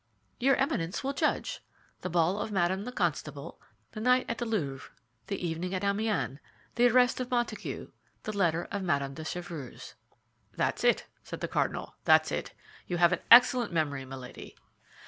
"Your Eminence will judge: the ball of Madame the Constable; the night at the Louvre; the evening at Amiens; the arrest of Montague; the letter of Madame de Chevreuse." "That's it," said the cardinal, "that's it. You have an excellent memory, Milady."